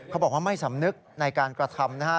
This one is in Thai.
เขาบอกว่าไม่สำนึกในการกระทำนะฮะ